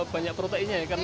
banyak proteinnya ya